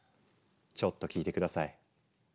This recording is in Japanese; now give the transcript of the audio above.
ちょっと聞いて下さい。